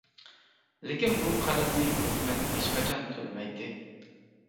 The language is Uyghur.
لېكىن بۇ قەرزنى ھۆكۈمەت ھېچقاچان تۆلىمەيتتى.